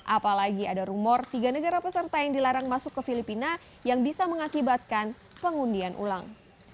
apalagi ada rumor tiga negara peserta yang dilarang masuk ke filipina yang bisa mengakibatkan pengundian ulang